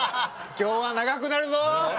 今日は長くなるよ。